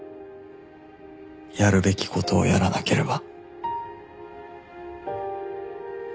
やるべき事をやらなければ